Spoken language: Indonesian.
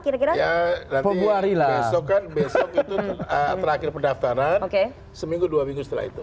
ya nanti besok kan besok itu terakhir pendaftaran seminggu dua minggu setelah itu